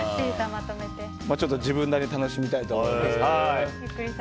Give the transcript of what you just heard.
ちょっと自分なりに楽しみたいと思います。